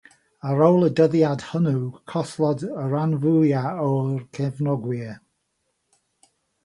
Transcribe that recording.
Ar ôl y dyddiad hwnnw, collodd y rhan fwyaf o'i gefnogwyr.